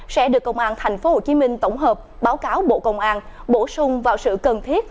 sẽ được công an tp hcm tổng hợp báo cáo bộ công an bổ sung vào sự cần thiết